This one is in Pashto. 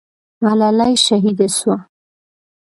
ملالۍ شهیده سوه.